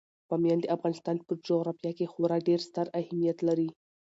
بامیان د افغانستان په جغرافیه کې خورا ډیر ستر اهمیت لري.